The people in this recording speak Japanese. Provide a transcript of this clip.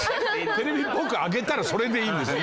テレビっぽく上げたらそれでいいんですよ。